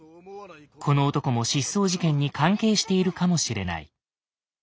この男も失踪事件に関係しているかもしれない。